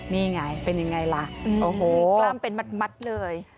นี่ไงเป็นยังไงล่ะโอ้โหกล้ามเป็นมัดเลย